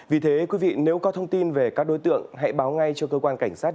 vì thế nếu có thông tin về các đối tượng hãy báo ngay cho cơ quan cảnh sát